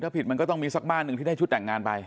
ถ้าผิดมันก็ต้องมีสักบ้านหนึ่งที่ได้ชุดแต่งงานไป